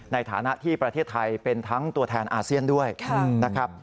ในฐานะที่ประเทศไทยเป็นทั้งตัวแทนอาเซียนด้วยนะครับ